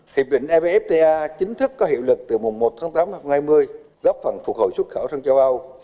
hiệp định ebfta chính thức có hiệu lực từ mùng một tháng tám hai mươi góp phần phục hồi xuất khẩu sang châu áu